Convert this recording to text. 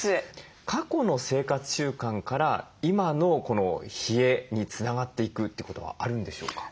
過去の生活習慣から今のこの冷えにつながっていくってことはあるんでしょうか？